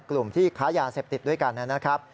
กลุ่มที่ค้ายาเสพติดด้วยกันนะครับ